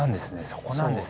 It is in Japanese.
そこなんですね。